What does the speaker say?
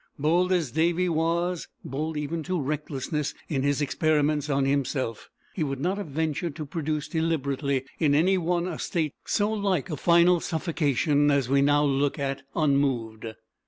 Bold as Davy was, bold even to recklessness in his experiments on himself, he would not have ventured to produce deliberately in any one a state so like a final suffocation as we now look at unmoved.